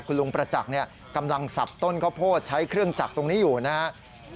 คุณลุงประจักษ์กำลังสับต้นข้าวโพดใช้เครื่องจักรตรงนี้อยู่นะครับ